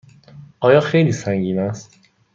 آیا خیلی سنگین است؟